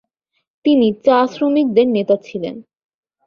তিনি চা শ্রমিকদের নেতা ছিলেন।